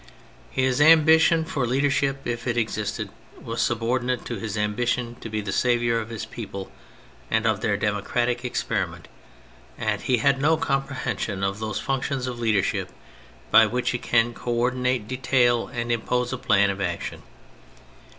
His ambition for leader ship, if it existed, was subordinate to his ambition to be the saviour of his people and of their democratic experiment, and he had no comprehension of those functions of leadership by which it can co ordinate detail and impose a plan of action.